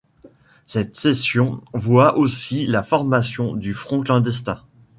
Cette session voit aussi la formation du Front Clandestin.